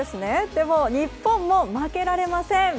でも日本も負けられません。